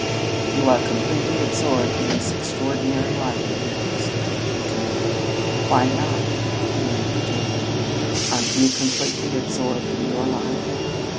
"You are completely absorbed in this extraordinary life of yours!" he complained. "Why not!" demanded Kate. "Aren't you completely absorbed in your life?"